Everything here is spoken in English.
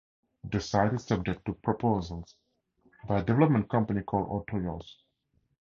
The site is subject to proposals by a development company called Orthios.